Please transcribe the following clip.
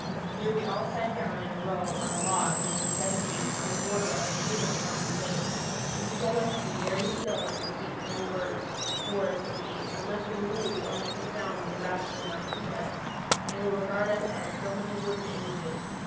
Here we all sat down in a row on a log among the dead weeds on the border of the evil smelling place, and he told us to be very still and speak no word; for, said he, unless we move or make a sound the rats will not heed us; they will regard us as so many wooden images.